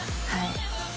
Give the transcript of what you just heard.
はい」